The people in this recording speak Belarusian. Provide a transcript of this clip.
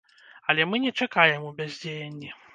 Але мы не чакаем у бяздзеянні.